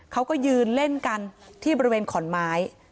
เขาก็ยืนเล่นกันที่บริเวณขอนไม้